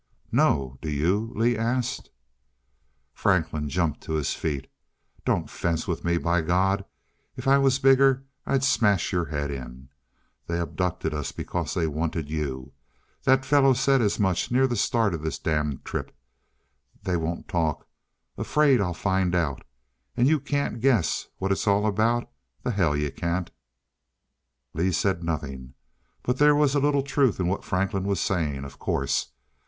"No. Do you?" Lee asked. Franklin jumped to his feet. "Don't fence with me. By God, if I was bigger I'd smash your head in. They abducted us, because they wanted you. That fellow said as much near the start of this damned trip. They won't talk afraid I'll find out. And you can't guess what it's all about! The hell you can't." Lee said nothing. But there was a little truth in what Franklin was saying, of course....